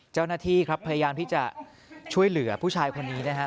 เจ้าหน้าที่ครับพยายามที่จะช่วยเหลือผู้ชายคนนี้นะครับ